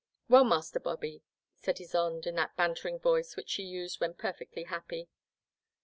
" WeU, Master Bobby," said Ysonde in that bantering voice which she used when perfectly happy.